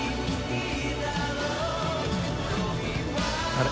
あれ？